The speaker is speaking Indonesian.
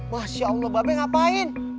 masya allah bapak ini ngapain